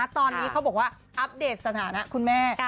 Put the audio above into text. ตอนนี้เขาบอกว่าอัปเดตสถานะคุณแม่